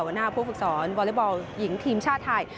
หัวหน้าผู้ฝึกสอนวอเล็กบอลหญิงทีมชาติไทย